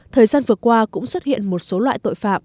thời gian vừa qua cũng xuất hiện một số loại tội phạm